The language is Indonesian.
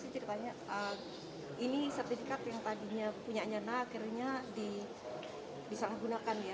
saya ceritanya ini sertifikat yang tadinya punya nyana akhirnya disalahgunakan ya